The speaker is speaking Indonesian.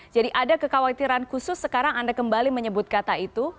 jadi ada kekhawatiran khusus sekarang anda kembali menyebut kata itu